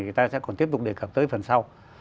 thì ta sẽ còn tiếp tục đề cập tới phần sau